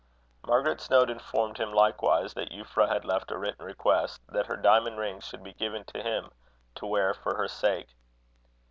Margaret's note informed him likewise that Euphra had left a written request, that her diamond ring should be given to him to wear for her sake.